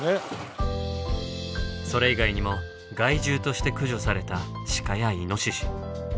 それ以外にも害獣として駆除されたシカやイノシシ。